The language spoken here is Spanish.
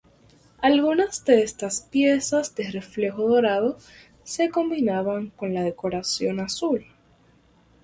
Algunas de estas piezas de reflejo dorado se combinaban con la decoración azul.